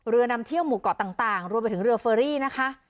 เรือนำเที่ยวหมู่เกาะต่างรวมไปถึงเรือเฟอรี่นะคะ